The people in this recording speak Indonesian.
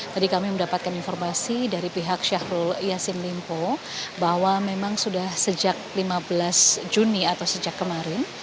tadi kami mendapatkan informasi dari pihak syahrul yassin limpo bahwa memang sudah sejak lima belas juni atau sejak kemarin